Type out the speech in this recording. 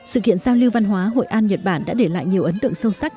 sự kiện giao lưu văn hóa hội an nhật bản đã để lại nhiều ấn tượng sâu sắc